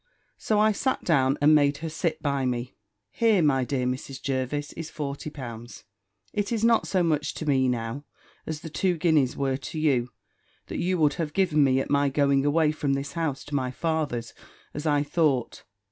So I sat down, and made her sit by me. "Here, my dear Mrs. Jervis, is forty pounds. It is not so much to me now, as the two guineas were to you, that you would have given me at my going away from this house to my father's, as I thought.